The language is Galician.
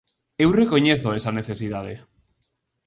Eu recoñezo esa necesidade.